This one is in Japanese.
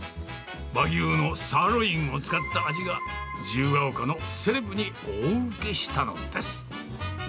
和牛のサーロインを使った味が、自由が丘のセレブに大受けしたのです。